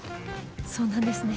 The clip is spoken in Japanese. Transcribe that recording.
そうなんですね。